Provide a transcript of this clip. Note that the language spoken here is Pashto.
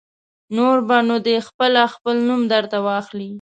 نور به نو دی خپله خپل نوم در ته واخلي.